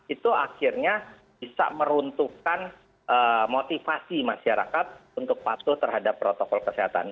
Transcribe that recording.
itu akhirnya bisa meruntuhkan motivasi masyarakat untuk patuh terhadap protokol kesehatan